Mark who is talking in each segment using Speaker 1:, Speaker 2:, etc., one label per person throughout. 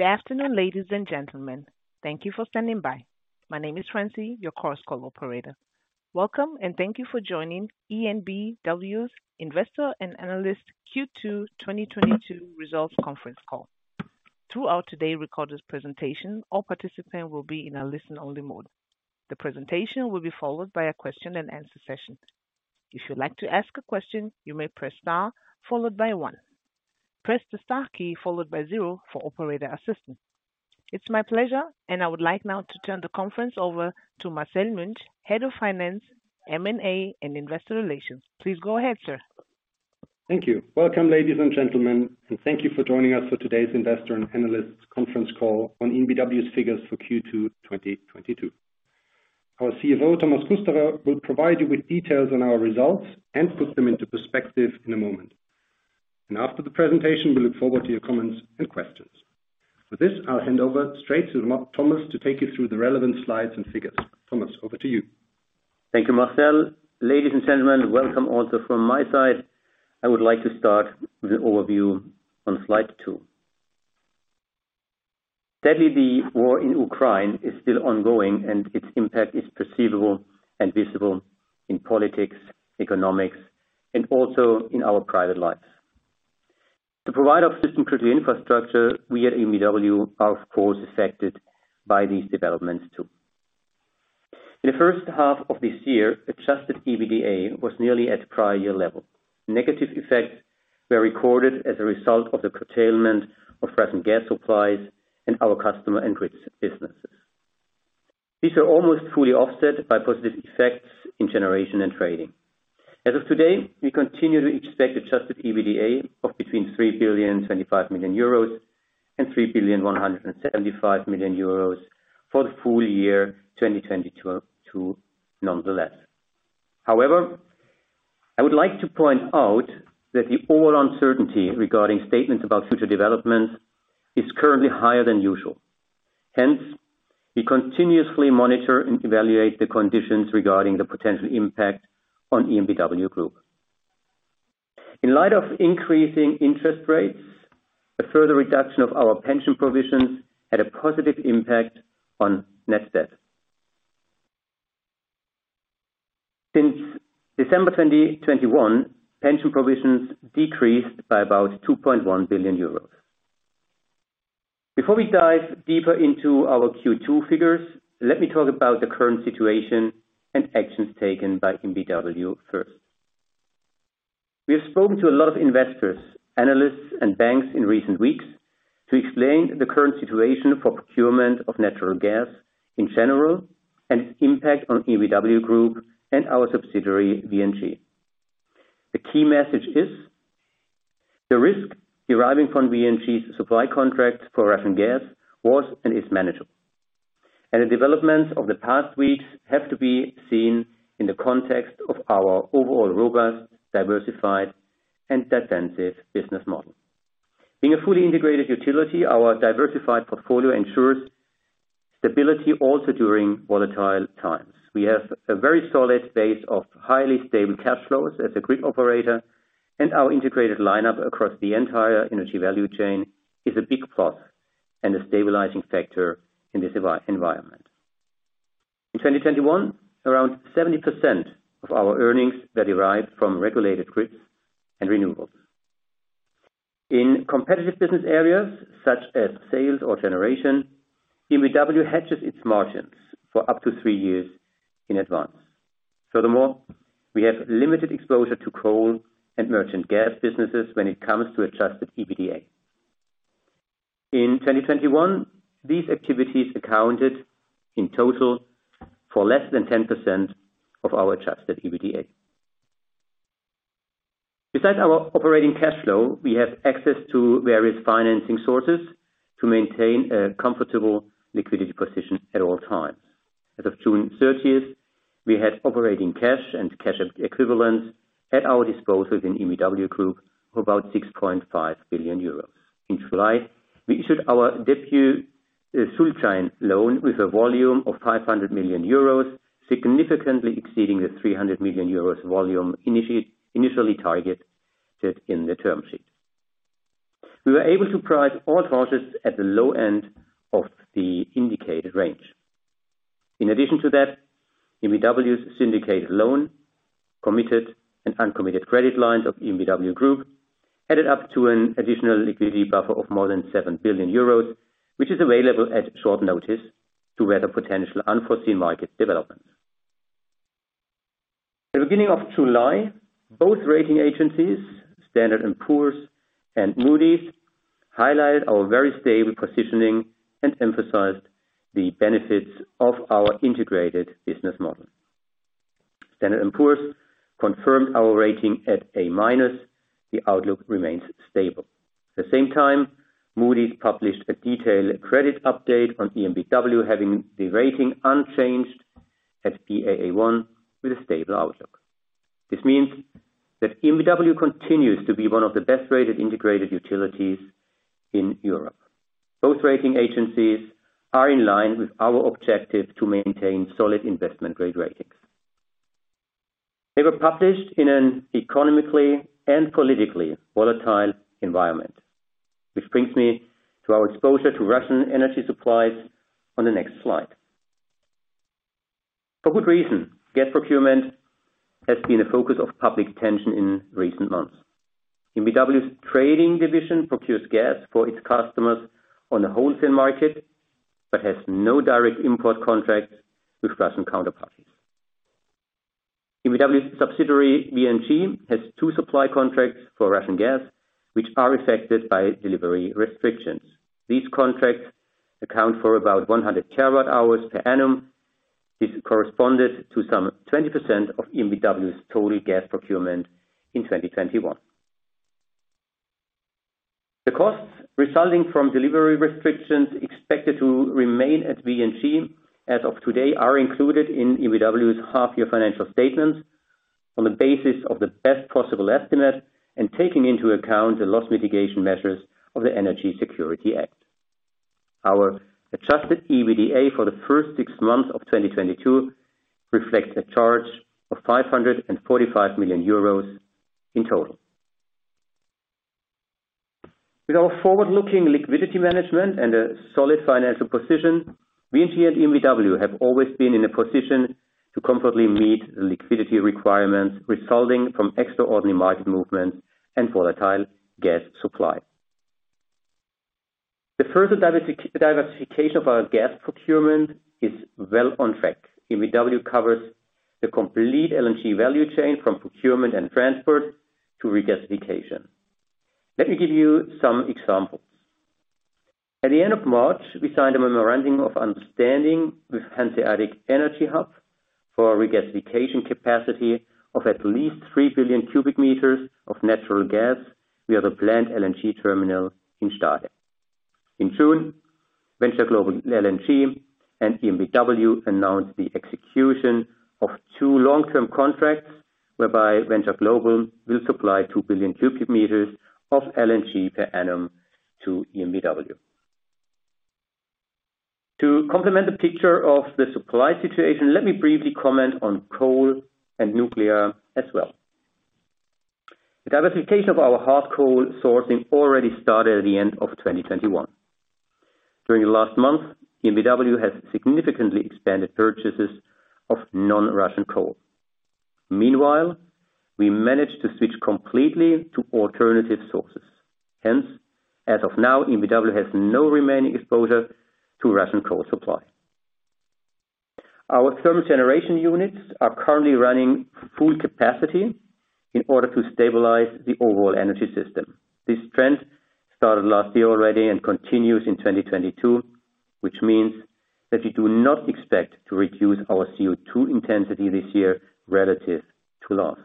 Speaker 1: Goo d afternoon, ladies and gentlemen. Thank you for standing by. My name is Francie, your conference operator. Welcome and thank you for joining EnBW's Investors and Analysts Q2 2022 Results Conference Call. Throughout today's recorded presentation, all participants will be in a listen-only mode. The presentation will be followed by a question and answer session. If you'd like to ask a question, you may press star followed by one. Press the star key followed by zero for operator assistance. It's my pleasure, and I would like now to turn the conference over to Marcel Münch, Head of Finance, M&A, and Investor Relations. Please go ahead, sir.
Speaker 2: Thank you. Welcome, ladies and gentlemen, and thank you for joining us for today's investor and analysts conference call on EnBW's figures for Q2 2022. Our CFO, Thomas Kusterer, will provide you with details on our results and put them into perspective in a moment. After the presentation, we look forward to your comments and questions. For this, I'll hand over straight to Thomas to take you through the relevant slides and figures. Thomas, over to you.
Speaker 3: Thank you, Marcel. Ladies and gentlemen, welcome also from my side. I would like to start with an overview on slide 2. Sadly, the war in Ukraine is still ongoing and its impact is perceivable and visible in politics, economics, and also in our private lives. The provider of System Critical Infrastructure, we at EnBW, are of course affected by these developments too. In the first half of this year, Adjusted EBITDA was nearly at prior year level. Negative effects were recorded as a result of the curtailment of frozen gas supplies and our customer and grid businesses. These are almost fully offset by positive effects in generation and trading. As of today, we continue to expect Adjusted EBITDA of between 3.025 billion and 3.175 billion euros for the full year 2022, nonetheless. However, I would like to point out that the overall uncertainty regarding statements about future developments is currently higher than usual. Hence, we continuously monitor and evaluate the conditions regarding the potential impact on EnBW Group. In light of increasing interest rates, a further reduction of our pension provisions had a positive impact on net debt. Since December 2021, pension provisions decreased by about 2.1 billion euros. Before we dive deeper into our Q2 figures, let me talk about the current situation and actions taken by EnBW first. We have spoken to a lot of investors, analysts, and banks in recent weeks to explain the current situation for procurement of natural gas in general and its impact on EnBW Group and our subsidiary, VNG. The key message is the risk deriving from VNG's supply contract for Russian gas was and is manageable. The developments of the past weeks have to be seen in the context of our overall robust, diversified, and defensive business model. Being a fully integrated utility, our diversified portfolio ensures stability also during volatile times. We have a very solid base of highly stable cash flows as a grid operator, and our integrated lineup across the entire energy value chain is a big plus and a stabilizing factor in this environment. In 2021, around 70% of our earnings were derived from regulated grids and renewables. In competitive business areas, such as sales or generation, EnBW hedges its margins for up to three years in advance. Furthermore, we have limited exposure to coal and merchant gas businesses when it comes to Adjusted EBITDA. In 2021, these activities accounted, in total, for less than 10% of our Adjusted EBITDA. Besides our operating cash flow, we have access to various financing sources to maintain a comfortable liquidity position at all times. As of June 30th, we had operating cash and cash equivalents at our disposal in EnBW Group for about 6.5 billion euros. In July, we issued our debut Schuldschein loan with a volume of 500 million euros, significantly exceeding the 300 million euros volume initially targeted in the term sheet. We were able to price all tranches at the low end of the indicated range. In addition to that, EnBW's syndicated loan, committed and uncommitted credit lines of EnBW Group added up to an additional liquidity buffer of more than 7 billion euros, which is available at short notice to weather potential unforeseen market developments. The beginning of July, both rating agencies, Standard & Poor's and Moody's, highlighted our very stable positioning and emphasized the benefits of our integrated business model. Standard & Poor's confirmed our rating at A-, the outlook remains stable. At the same time, Moody's published a detailed credit update on EnBW, having the rating unchanged at Baa1 with a stable outlook. This means that EnBW continues to be one of the best-rated integrated utilities in Europe. Both rating agencies are in line with our objective to maintain solid investment-grade ratings. They were published in an economically and politically volatile environment, which brings me to our exposure to Russian energy supplies on the next slide. For good reason, gas procurement has been a focus of public tension in recent months. EnBW's trading division procures gas for its customers on the wholesale market, but has no direct import contracts with Russian counterparties. EnBW's subsidiary, VNG, has two supply contracts for Russian gas, which are affected by delivery restrictions. These contracts account for about 100 terawatt-hours per annum. This corresponded to some 20% of EnBW's total gas procurement in 2021. The costs resulting from delivery restrictions expected to remain at VNG as of today are included in EnBW's half year financial statements on the basis of the best possible estimate and taking into account the loss mitigation measures of the Energy Security Act. Our Adjusted EBITDA for the first six months of 2022 reflect a charge of 545 million euros in total. With our forward-looking liquidity management and a solid financial position, VNG and EnBW have always been in a position to comfortably meet the liquidity requirements resulting from extraordinary market movements and volatile gas supply. The further diversification of our gas procurement is well on track. EnBW covers the complete LNG value chain from procurement and transport to regasification. Let me give you some examples. At the end of March, we signed a memorandum of understanding with Hanseatic Energy Hub for regasification capacity of at least 3 billion cubic meters of natural gas via the planned LNG terminal in Stade. In June, Venture Global LNG and EnBW announced the execution of two long-term contracts, whereby Venture Global will supply 2 billion cubic meters of LNG per annum to EnBW. To complement the picture of the supply situation, let me briefly comment on coal and nuclear as well. The diversification of our hard coal sourcing already started at the end of 2021. During the last month, EnBW has significantly expanded purchases of non-Russian coal. Meanwhile, we managed to switch completely to alternative sources. Hence, as of now, EnBW has no remaining exposure to Russian coal supply. Our thermal generation units are currently running full capacity in order to stabilize the overall energy system. This trend started last year already and continues in 2022, which means that we do not expect to reduce our CO₂ intensity this year relative to last.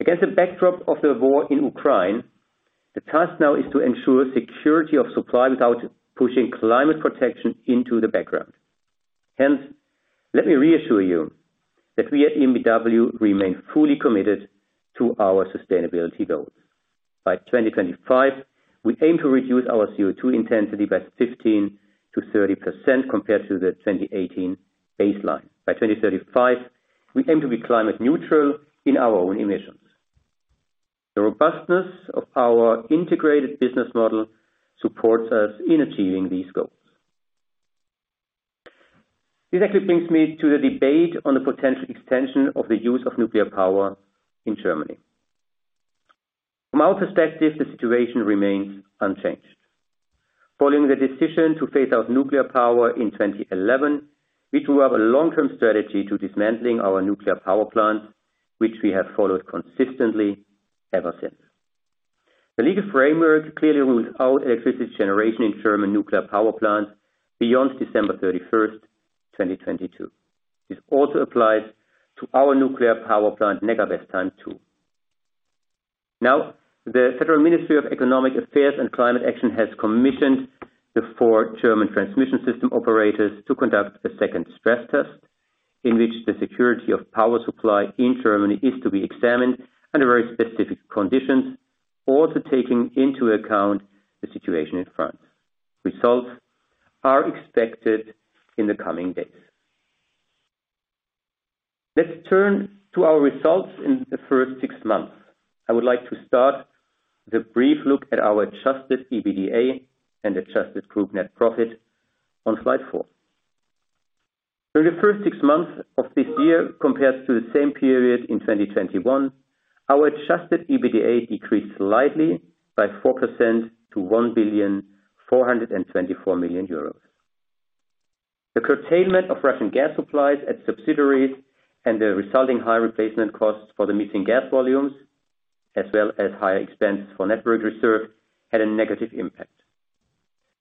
Speaker 3: Against the backdrop of the war in Ukraine, the task now is to ensure security of supply without pushing climate protection into the background. Hence, let me reassure you that we at EnBW remain fully committed to our sustainability goals. By 2025, we aim to reduce our CO₂ intensity by 15%-30% compared to the 2018 baseline. By 2035, we aim to be climate neutral in our own emissions. The robustness of our integrated business model supports us in achieving these goals. This actually brings me to the debate on the potential extension of the use of nuclear power in Germany. From our perspective, the situation remains unchanged. Following the decision to phase out nuclear power in 2011, we drew up a long-term strategy to dismantling our nuclear power plant, which we have followed consistently ever since. The legal framework clearly rules out electricity generation in German nuclear power plants beyond December 31st, 2022. This also applies to our nuclear power plant, Neckarwestheim 2. Now, the Federal Ministry for Economic Affairs and Climate Action has commissioned the four German transmission system operators to conduct a second stress test, in which the security of power supply in Germany is to be examined under very specific conditions, also taking into account the situation in France. Results are expected in the coming days. Let's turn to our results in the first six months. I would like to start with a brief look at our Adjusted EBITDA and Adjusted Group net profit on slide four. During the first six months of this year compared to the same period in 2021, our Adjusted EBITDA decreased slightly by 4% to 1.424 billion. The curtailment of Russian gas supplies at subsidiaries and the resulting high replacement costs for the missing gas volumes, as well as higher expense for network reserve, had a negative impact.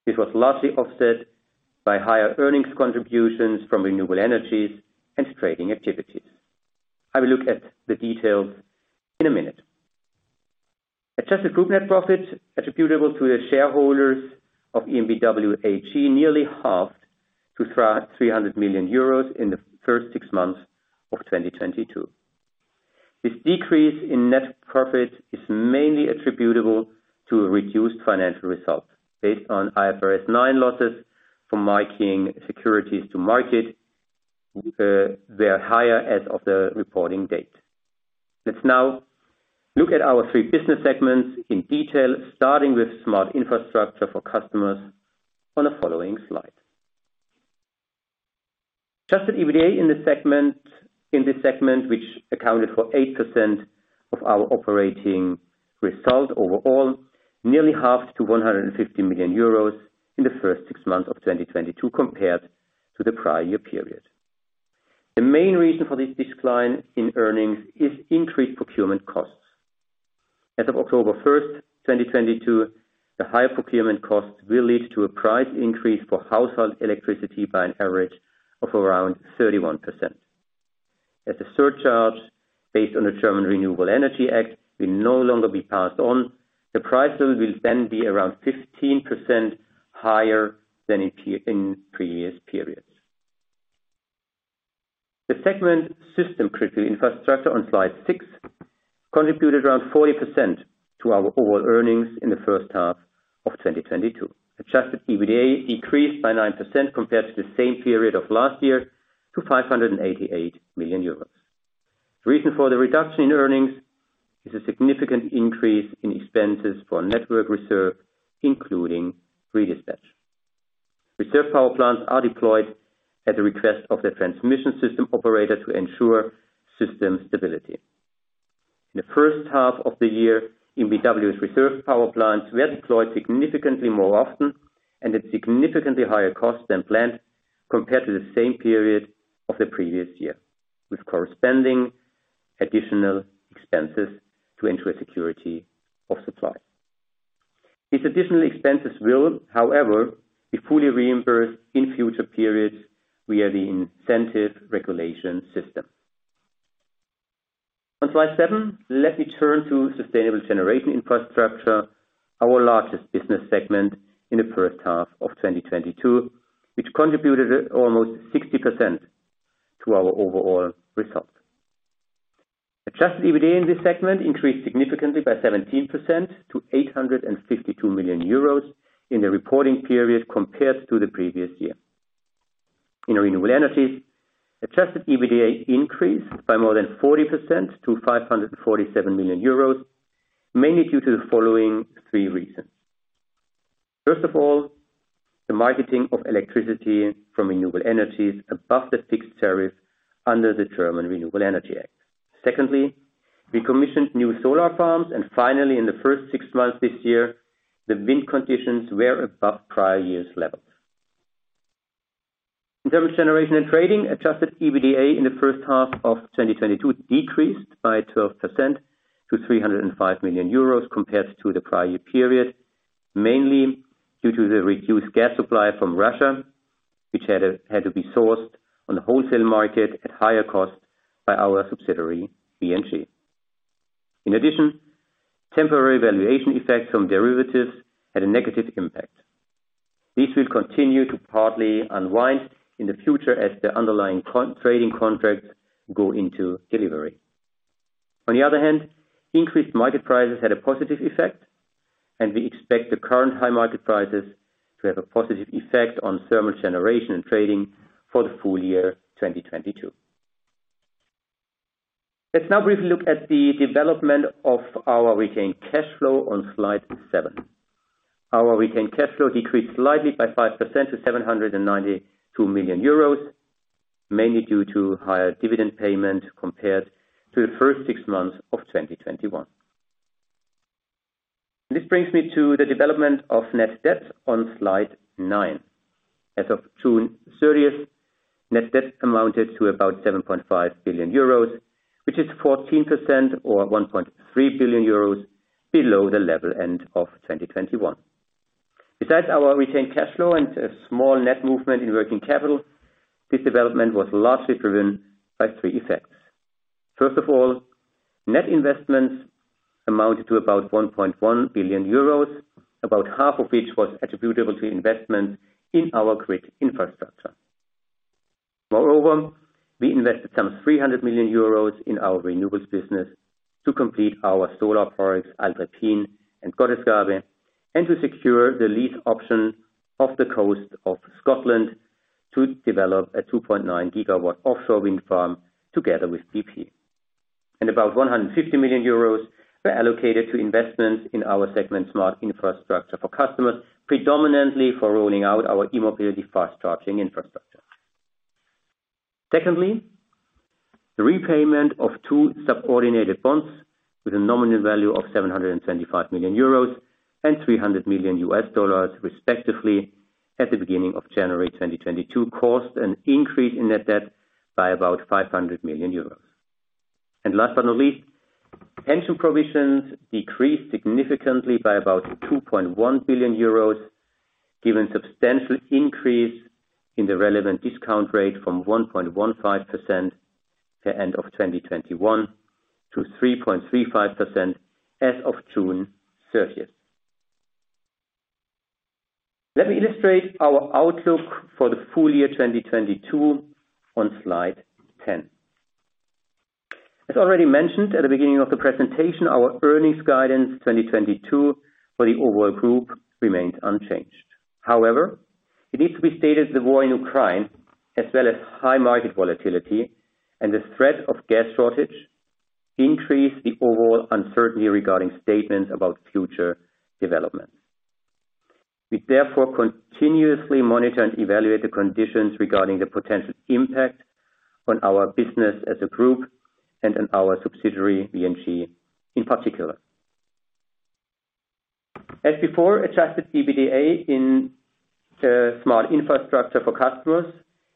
Speaker 3: This was largely offset by higher earnings contributions from renewable energies and trading activities. I will look at the details in a minute. Adjusted Group net profit attributable to the shareholders of EnBW AG nearly halved to 300 million euros in the first six months of 2022. This decrease in net profit is mainly attributable to a reduced financial result based on IFRS 9 losses from marking securities to market, they are higher as of the reporting date. Let's now look at our three business segments in detail, starting with Smart Infrastructure for Customers on the following slide. Adjusted EBITDA in this segment, which accounted for 8% of our operating result overall, nearly halved to 150 million euros in the first six months of 2022 compared to the prior year period. The main reason for this decline in earnings is increased procurement costs. As of October 1st, 2022, the higher procurement costs will lead to a price increase for household electricity by an average of around 31%. As a surcharge based on the Renewable Energy Sources Act will no longer be passed on, the price level will then be around 15% higher than in previous periods. The segment System Critical Infrastructure on slide slide contributed around 40% to our overall earnings in the first half of 2022. Adjusted EBITDA decreased by 9% compared to the same period of last year to 588 million euros. The reason for the reduction in earnings is a significant increase in expenses for network reserve, including redispatch. Reserve power plants are deployed at the request of the transmission system operator to ensure system stability. In the first half of the year, EnBW's reserve power plants were deployed significantly more often and at significantly higher cost than planned, compared to the same period of the previous year, with corresponding additional expenses to ensure security of supply. These additional expenses will, however, be fully reimbursed in future periods via the incentive regulation system. On slide seven, let me turn to Sustainable Generation Infrastructure, our largest business segment in the first half of 2022, which contributed almost 60% to our overall results. Adjusted EBITDA in this segment increased significantly by 17% to 852 million euros in the reporting period compared to the previous year. In renewable energies, Adjusted EBITDA increased by more than 40% to 547 million euros, mainly due to the following three reasons. First of all, the marketing of electricity from renewable energies above the fixed tariff under the German Renewable Energy Sources Act. Secondly, we commissioned new solar farms. Finally, in the first six months this year, the wind conditions were above prior years' levels. In terms of generation and trading, Adjusted EBITDA in the first half of 2022 decreased by 12% to 305 million euros compared to the prior year period, mainly due to the reduced gas supply from Russia, which had to be sourced on the wholesale market at higher cost by our subsidiary, VNG. In addition, temporary valuation effects from derivatives had a negative impact. This will continue to partly unwind in the future as the underlying counter-trading contracts go into delivery. On the other hand, increased market prices had a positive effect, and we expect the current high market prices to have a positive effect on thermal generation and trading for the full year 2022. Let's now briefly look at the development of our retained cash flow on slide seven. Our retained cash flow decreased slightly by 5% to 792 million euros, mainly due to higher dividend payment compared to the first six months of 2021. This brings me to the development of net debt on slide nine. As of June 30th, net debt amounted to about 7.5 billion euros, which is 14% or 1.3 billion euros below the level end of 2021. Besides our retained cash flow and a small net movement in working capital, this development was largely driven by three effects. First of all, net investments amounted to about 1.1 billion euros, about half of which was attributable to investments in our grid infrastructure. Moreover, we invested some 300 million euros in our renewables business to complete our solar parks, Alttrebbin and Gottesgabe, and to secure the lease option off the coast of Scotland to develop a 2.9 GW offshore wind farm together with BP. About 150 million euros were allocated to investments in our segment Smart Infrastructure for Customers, predominantly for rolling out our e-mobility fast charging infrastructure. Secondly, the repayment of two subordinated bonds with a nominal value of 725 million euros and $300 million respectively at the beginning of January 2022, caused an increase in net debt by about 500 million euros. Last but not least, pension provisions decreased significantly by about 2.1 billion euros, given substantial increase in the relevant discount rate from 1.15% at the end of 2021 to 3.35% as of June 30. Let me illustrate our outlook for the full year 2022 on slide 10. As already mentioned at the beginning of the presentation, our earnings guidance 2022 for the overall group remains unchanged. However, it needs to be stated the war in Ukraine, as well as high market volatility and the threat of gas shortage, increase the overall uncertainty regarding statements about future development. We therefore continuously monitor and evaluate the conditions regarding the potential impact on our business as a group and on our subsidiary, VNG in particular. As before, Adjusted EBITDA in Smart Infrastructure for Customers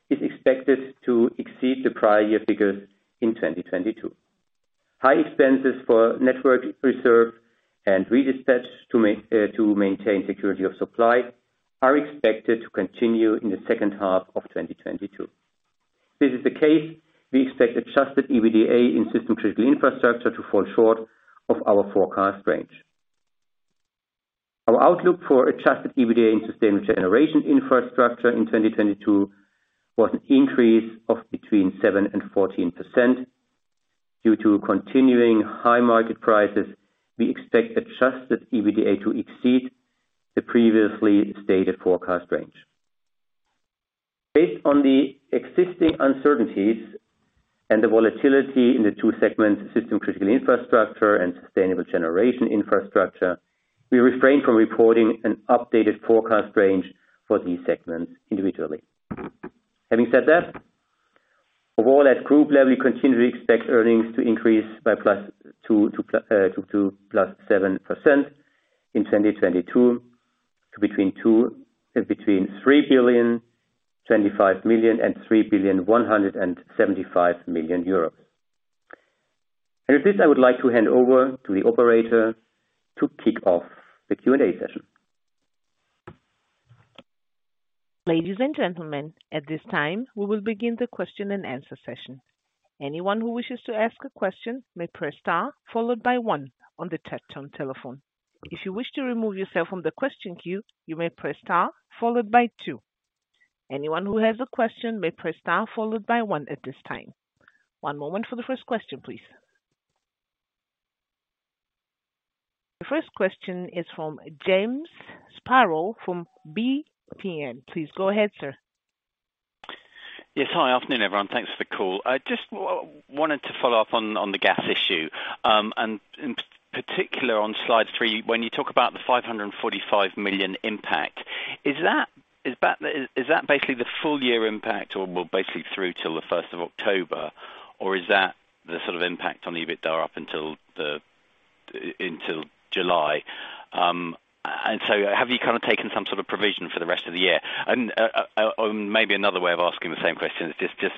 Speaker 3: is expected to exceed the prior year figures in 2022. High expenses for network reserve and redispatch to maintain security of supply are expected to continue in the second half of 2022. This is the case, we expect Adjusted EBITDA in System Critical Infrastructure to fall short of our forecast range. Our outlook for Adjusted EBITDA in Sustainable Generation Infrastructure in 2022 was an increase of between 7% and 14%. Due to continuing high market prices, we expect Adjusted EBITDA to exceed the previously stated forecast range. Based on the existing uncertainties and the volatility in the two segments, System Critical Infrastructure and Sustainable Generation Infrastructure, we refrain from reporting an updated forecast range for these segments individually. Having said that, overall at group level, we continue to expect earnings to increase by +2% to +7% in 2022, to between 3.025 billion and 3.175 billion. With this, I would like to hand over to the operator to kick off the Q&A session.
Speaker 1: Ladies and gentlemen, at this time, we will begin the question and answer session. Anyone who wishes to ask a question may press star followed by one on the touchtone telephone. If you wish to remove yourself from the question queue, you may press star followed by two. Anyone who has a question may press star followed by one at this time. One moment for the first question, please. The first question is from James Sparrow from BNP. Please go ahead, sir.
Speaker 4: Yes. Hi. Afternoon, everyone. Thanks for the call. I just wanted to follow up on the gas issue and in particular on slide three, when you talk about the 545 million impact, is that basically the full year impact or, well, basically through till the first of October, or is that the sort of impact on the EBITDA up until July? Have you kind of taken some sort of provision for the rest of the year? Maybe another way of asking the same question is just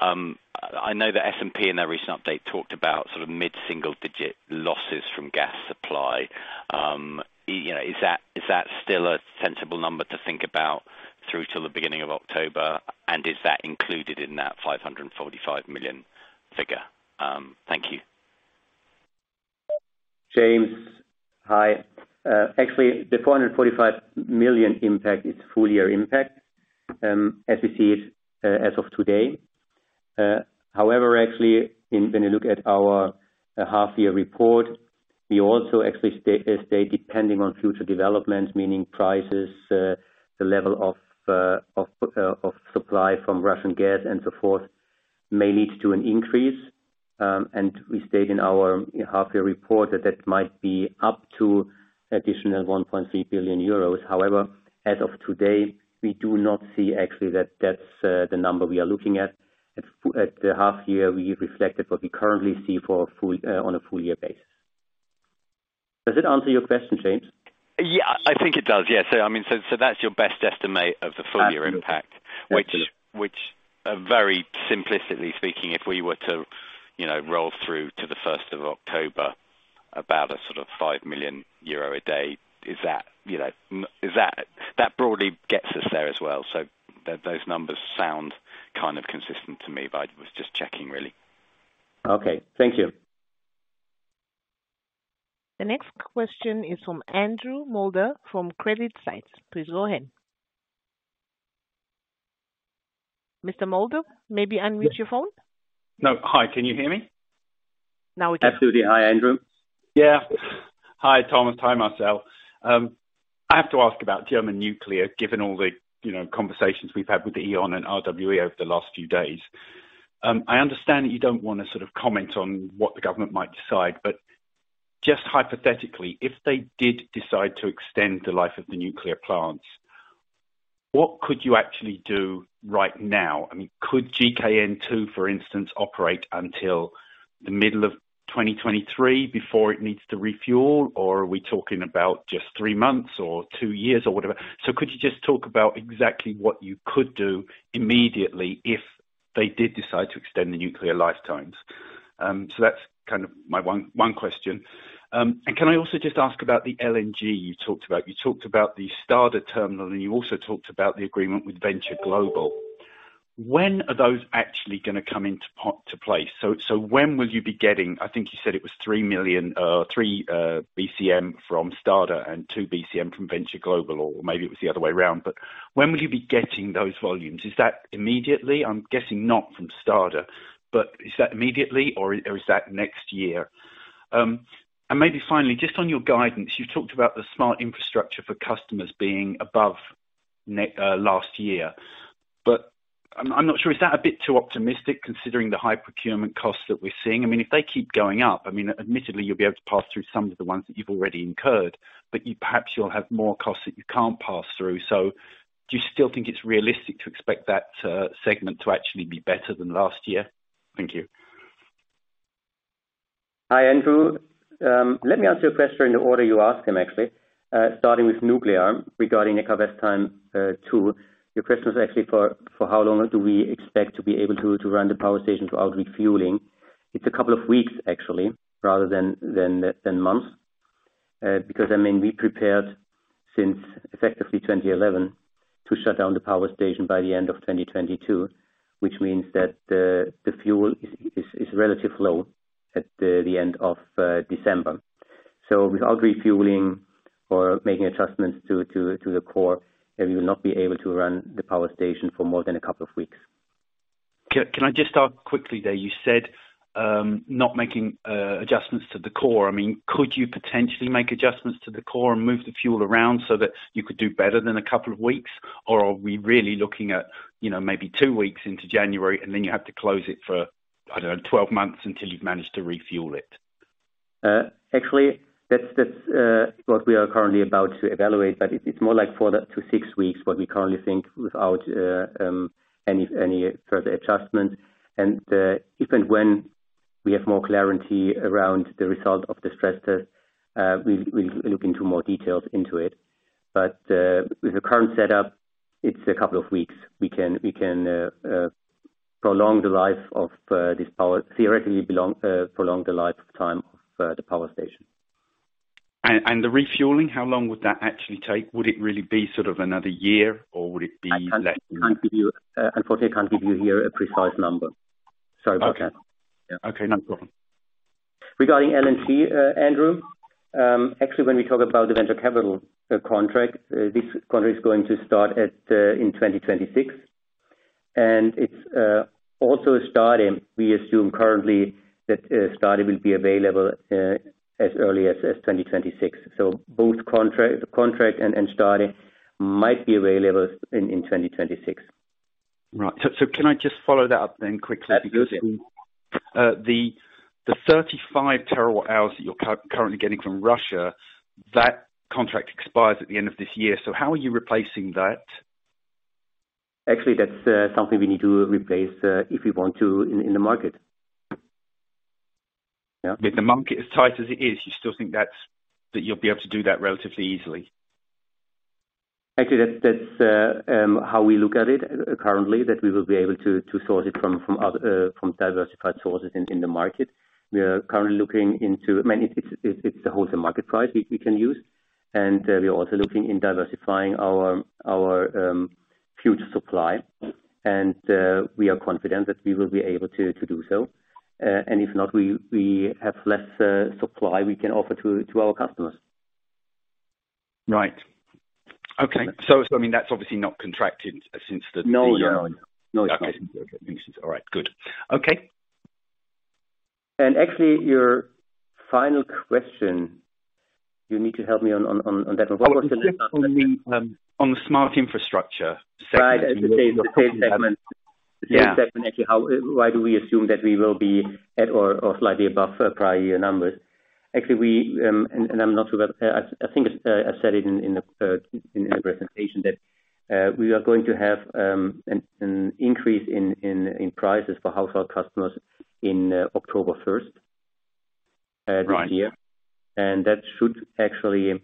Speaker 4: I know that S&P in their recent update talked about sort of mid-single digit losses from gas supply. You know, is that still a sensible number to think about through till the beginning of October? Is that included in that 545 million figure? Thank you.
Speaker 3: James. Hi. Actually, the 445 million impact is full-year impact, as we see it, as of today. However, actually, when you look at our half-year report, we also actually state depending on future developments, meaning prices, the level of supply from Russian gas and so forth, may lead to an increase. We state in our half-year report that that might be up to additional 1.3 billion euros. However, as of today, we do not see actually that that's the number we are looking at. At the half-year, we reflected what we currently see on a full-year basis. Does it answer your question, James?
Speaker 4: Yeah, I think it does. Yes. I mean, so that's your best estimate of the full year impact.
Speaker 3: Absolutely.
Speaker 4: Very simplistically speaking, if we were to, you know, roll through to the first of October about a sort of 5 million euro a day, is that, you know, that broadly gets us there as well. Those numbers sound kind of consistent to me, but I was just checking really.
Speaker 3: Okay, thank you.
Speaker 1: The next question is from Andrew Moulder from CreditSights. Please go ahead. Mr. Moulder, maybe unmute your phone.
Speaker 5: No. Hi, can you hear me?
Speaker 1: Now we can.
Speaker 3: Absolutely. Hi, Andrew.
Speaker 5: Yeah. Hi, Thomas. Hi, Marcel. I have to ask about German nuclear, given all the, you know, conversations we've had with the E.ON and RWE over the last few days. I understand that you don't wanna sort of comment on what the government might decide, but just hypothetically, if they did decide to extend the life of the nuclear plants, what could you actually do right now? I mean, could GKN II for instance, operate until the middle of 2023 before it needs to refuel? Or are we talking about just three months or two years or whatever? Could you just talk about exactly what you could do immediately if they did decide to extend the nuclear lifetimes? That's kind of my one question. Can I also just ask about the LNG you talked about? You talked about the Stade terminal, and you also talked about the agreement with Venture Global. When are those actually gonna come into play? So when will you be getting, I think you said it was three bcm from Stade and 2 bcm from Venture Global, or maybe it was the other way around. When will you be getting those volumes? Is that immediately? I'm guessing not from Stade, but is that immediately or is that next year? Maybe finally, just on your guidance, you talked about the Smart Infrastructure for Customers being above last year, but I'm not sure, is that a bit too optimistic considering the high procurement costs that we're seeing? I mean, if they keep going up, I mean, admittedly, you'll be able to pass through some of the ones that you've already incurred, but perhaps you'll have more costs that you can't pass through. Do you still think it's realistic to expect that segment to actually be better than last year? Thank you.
Speaker 3: Hi, Andrew. Let me answer your question in the order you asked them actually, starting with nuclear regarding Neckarwestheim 2. Your question is actually for how long do we expect to be able to run the power station without refueling? It's a couple of weeks actually, rather than months, because I mean, we prepared since effectively 2011 to shut down the power station by the end of 2022, which means that the fuel is relatively low at the end of December. Without refueling or making adjustments to the core, we will not be able to run the power station for more than a couple of weeks.
Speaker 5: Can I just stop quickly there? You said not making adjustments to the core. I mean, could you potentially make adjustments to the core and move the fuel around so that you could do better than a couple of weeks? Or are we really looking at, you know, maybe two weeks into January, and then you have to close it for, I don't know, 12 months until you've managed to refuel it?
Speaker 3: Actually, that's what we are currently about to evaluate, but it's more like four to six weeks, what we currently think without any further adjustment. If and when we have more clarity around the result of the stress test, we'll look into more details into it. With the current setup, it's a couple of weeks. We can theoretically prolong the lifetime of the power station.
Speaker 5: The refueling, how long would that actually take? Would it really be sort of another year, or would it be less than-
Speaker 3: I can't give you, unfortunately, I can't give you here a precise number. Sorry about that.
Speaker 5: Okay, no problem.
Speaker 3: Regarding LNG, Andrew, actually, when we talk about the Venture Global contract, this contract is going to start in 2026. It's also, we assume currently that Stade will be available as early as 2026. Both contract and Stade might be available in 2026.
Speaker 5: Right. Can I just follow that up then quickly?
Speaker 3: Absolutely.
Speaker 5: The 35 TWh that you're currently getting from Russia, that contract expires at the end of this year. How are you replacing that?
Speaker 3: Actually, that's something we need to replace if we want to in the market. Yeah.
Speaker 5: With the market as tight as it is, you still think that you'll be able to do that relatively easily?
Speaker 3: Actually, that's how we look at it currently, that we will be able to source it from other diversified sources in the market. I mean, it's the wholesale market price we can use. We are also looking into diversifying our future supply. We are confident that we will be able to do so. If not, we have less supply we can offer to our customers.
Speaker 5: Right. Okay. I mean, that's obviously not contracted since the.
Speaker 3: No, no. No, it's not.
Speaker 5: All right. Good. Okay.
Speaker 3: Actually, your final question, you need to help me on that one. What was the next one again?
Speaker 5: On the Smart Infrastructure segment.
Speaker 3: Right. As you say, the sales segment.
Speaker 5: Yeah.
Speaker 3: The sales segment, actually, why do we assume that we will be at or slightly above prior year numbers? Actually, I'm not sure but I think I said it in the presentation that we are going to have an increase in prices for household customers in October 1st.
Speaker 5: Right.
Speaker 3: This year. That should actually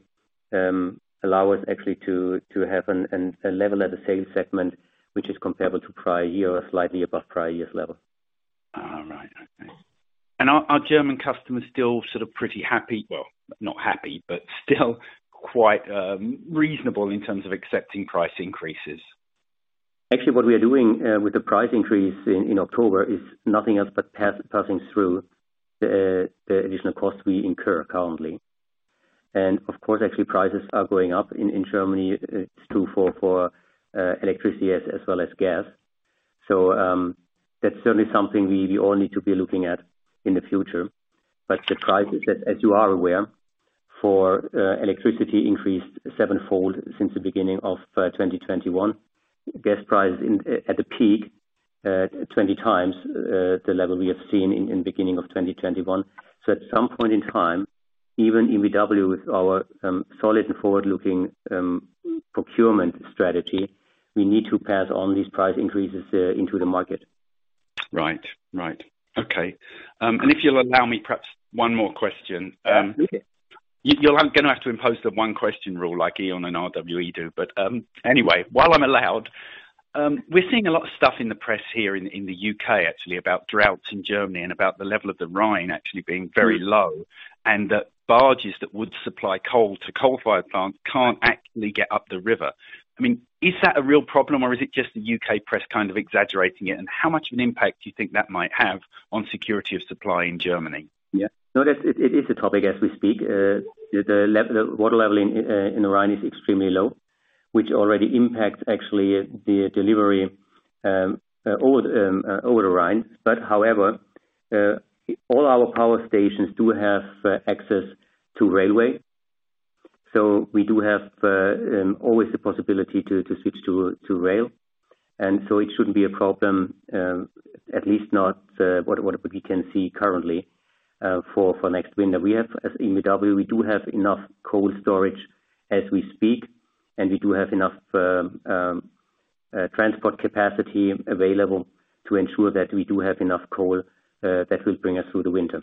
Speaker 3: allow us actually to have a level at the sales segment, which is comparable to prior year or slightly above prior year's level.
Speaker 5: All right. Okay. Are German customers still sort of pretty happy? Well, not happy, but still quite reasonable in terms of accepting price increases.
Speaker 3: Actually, what we are doing with the price increase in October is nothing else but passing through the additional costs we incur currently. Of course, actually prices are going up in Germany. It's true for electricity as well as gas. That's certainly something we all need to be looking at in the future. The prices that, as you are aware, for electricity increased sevenfold since the beginning of 2021. Gas prices at the peak 20x the level we have seen in beginning of 2021. At some point in time, even in EnBW with our solid and forward-looking procurement strategy, we need to pass on these price increases into the market.
Speaker 5: Right. Okay. If you'll allow me perhaps one more question.
Speaker 3: Okay.
Speaker 5: You're gonna have to impose the one question rule like E.ON and RWE do. Anyway, while I'm allowed, we're seeing a lot of stuff in the press here in the U.K. actually, about droughts in Germany and about the level of the Rhine actually being very low, and that barges that would supply coal to coal-fired plants can't actually get up the river. I mean, is that a real problem or is it just the U.K. press kind of exaggerating it? How much of an impact do you think that might have on security of supply in Germany?
Speaker 3: No, it is a topic as we speak. The water level in the Rhine is extremely low, which already impacts actually the delivery over the Rhine. But however, all our power stations do have access to railway. We do have always the possibility to switch to rail. It shouldn't be a problem, at least not what we can see currently, for next winter. We have, as EnBW, enough coal storage as we speak, and we do have enough transport capacity available to ensure that we do have enough coal that will bring us through the winter.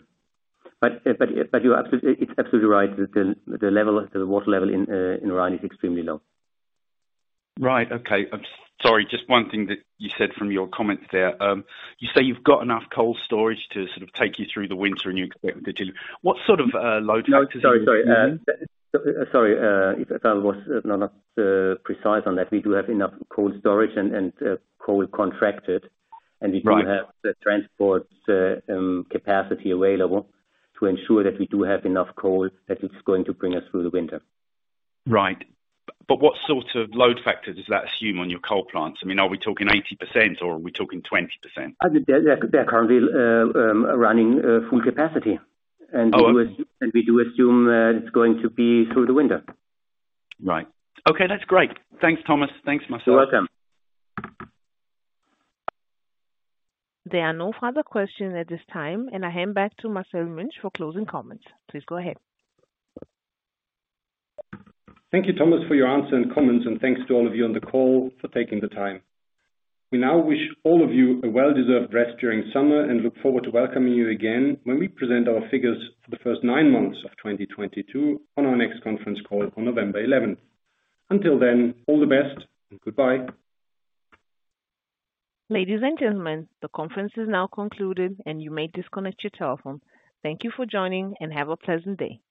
Speaker 3: But you're absolutely right that the water level in the Rhine is extremely low.
Speaker 5: Right. Okay. Sorry, just one thing that you said from your comments there. You say you've got enough coal storage to sort of take you through the winter and you expect that you'll. What sort of load factors are you using?
Speaker 3: No, sorry. Sorry, if I was not precise on that. We do have enough coal storage and coal contracted.
Speaker 5: Right.
Speaker 3: We do have the transport capacity available to ensure that we do have enough coal that it's going to bring us through the winter.
Speaker 5: Right. What sort of load factor does that assume on your coal plants? I mean, are we talking 80% or are we talking 20%?
Speaker 3: They're currently running full capacity.
Speaker 5: Oh, okay.
Speaker 3: We do assume that it's going to be through the winter.
Speaker 5: Right. Okay, that's great. Thanks, Thomas. Thanks, Marcel.
Speaker 3: You're welcome.
Speaker 1: There are no further questions at this time, and I hand back to Marcel Münch for closing comments. Please go ahead.
Speaker 2: Thank you, Thomas, for your answer and comments, and thanks to all of you on the call for taking the time. We now wish all of you a well-deserved rest during summer and look forward to welcoming you again when we present our figures for the first nine months of 2022 on our next conference call on November 11. Until then, all the best and goodbye.
Speaker 1: Ladies and gentlemen, the conference is now concluded and you may disconnect your telephone. Thank you for joining and have a pleasant day. Goodbye.